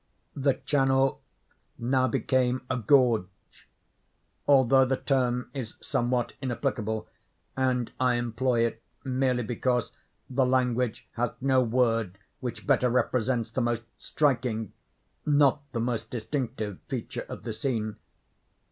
The channel now became a gorge—although the term is somewhat inapplicable, and I employ it merely because the language has no word which better represents the most striking—not the most distinctive—feature of the scene.